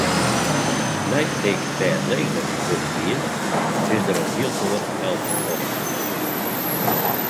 Nei't ik bêdlegerich wurden wie, is der in heel soad help kommen.